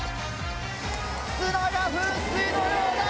砂が噴水のようだ！